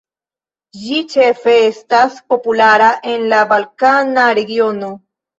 Ĝi ĉefe estas populara en la balkana regiono.